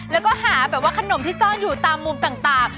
แล้วก็หาแบบว่าขนมที่ซ่อนอยู่ตามมุมต่าง